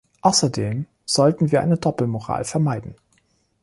Außerdem sollten wir eine Doppelmoral vermeiden.